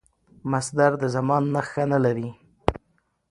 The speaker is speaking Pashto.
مصدر د زمان نخښه نه لري.